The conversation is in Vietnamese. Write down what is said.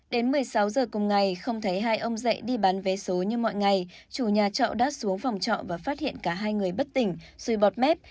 đến một mươi sáu giờ cùng ngày không thấy hai ông dậy đi bán vé số như mọi ngày chủ nhà trọ đã xuống phòng trọ và phát hiện cả hai người bất tỉnh xui bọt mép